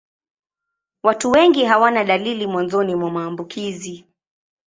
Watu wengi hawana dalili mwanzoni mwa maambukizi.